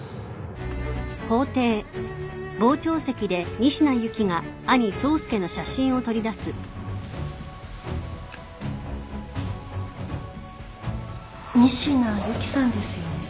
仁科由貴さんですよね。